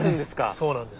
そうなんです。